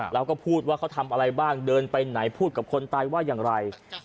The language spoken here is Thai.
แล้วก็พูดว่าเขาทำอะไรบ้างเดินไปไหนพูดกับคนตายว่าอย่างไร